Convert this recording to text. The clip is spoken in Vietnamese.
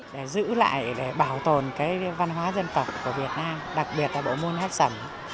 để giữ lại để bảo tồn cái văn hóa dân tộc của việt nam đặc biệt là bộ môn hát sầm